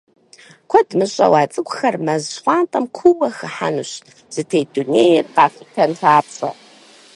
Куэд мыщӀэу, а цӏыкӏухэр мэз щхъуантӀэм куууэ хыхьэнущ, зытет дунейр къахутэн папщӏэ.